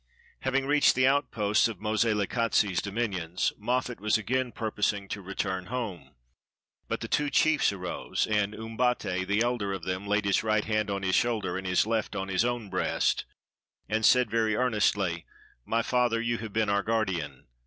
Having reached the outposts of Moselekatse's domin ions, Moffat was again purposing to return home; but I the two chiefs arose, and Umbate, the elder of them, laid his right hand on his shoulder, and his left on his own breast, and said very earnestly, "My father, you have been our guardian.